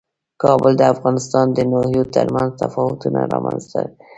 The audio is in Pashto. کابل د افغانستان د ناحیو ترمنځ تفاوتونه رامنځ ته کوي.